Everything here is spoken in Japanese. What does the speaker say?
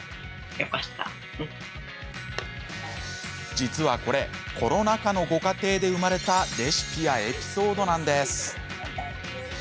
実はこれ、コロナ禍のご家庭で生まれたレシピやエピソードなんです。